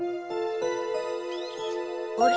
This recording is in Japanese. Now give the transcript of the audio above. あれ？